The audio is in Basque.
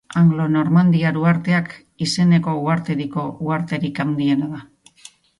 Anglo-normandiar uharteak izeneko uhartediko uharterik handiena da.